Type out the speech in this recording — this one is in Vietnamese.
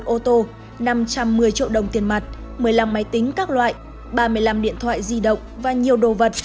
hai mươi ô tô năm trăm một mươi triệu đồng tiền mặt một mươi năm máy tính các loại ba mươi năm điện thoại di động và nhiều đồ vật